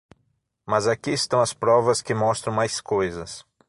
Mas aqui estão as provas que mostram mais coisas.